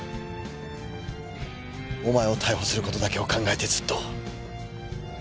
お前を逮捕することだけを考えてずっと。